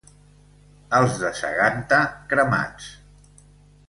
Els de Seganta, cremats.